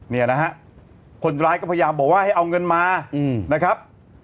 เนี่ยนะฮะคนร้ายก็พยายามบอกว่าให้เอาเงินมานะครับ